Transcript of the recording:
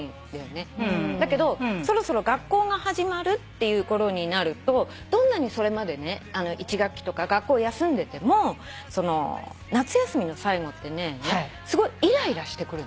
だけどそろそろ学校が始まるっていうころになるとどんなにそれまでね１学期とか学校休んでても夏休みの最後ってねすごいイライラしてくるの。